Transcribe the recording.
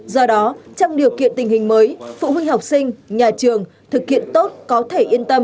do đó trong điều kiện tình hình mới phụ huynh học sinh nhà trường thực hiện tốt có thể yên tâm đưa trẻ đến trường